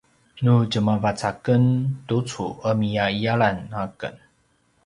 nu djemavac aken tucu ’emiya’iyalan aken